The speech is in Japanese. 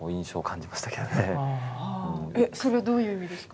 それはどういう意味ですか？